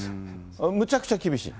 むちゃくちゃ厳しい。